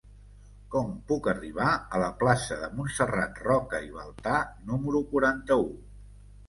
Com puc arribar a la plaça de Montserrat Roca i Baltà número quaranta-u?